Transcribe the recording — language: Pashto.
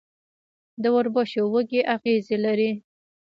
د وربشو وږی اغزي لري.